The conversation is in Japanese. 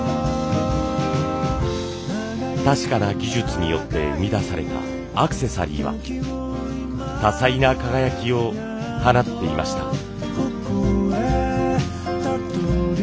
確かな技術によって生み出されたアクセサリーは多彩な輝きを放っていました。